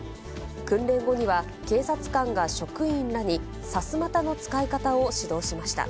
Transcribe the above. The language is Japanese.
訓練後には、警察官が職員らにさすまたの使い方を指導しました。